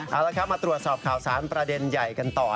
เอาละครับมาตรวจสอบข่าวสารประเด็นใหญ่กันต่อ